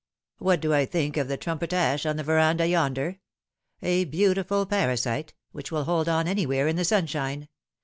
95 "What do I think of the trumpet ash on the verandah yonder ? A beautiful parasite, which will hold on anywhere in the sunshine.